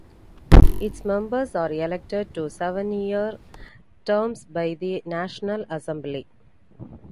Its members are elected to seven-year terms by the National Assembly.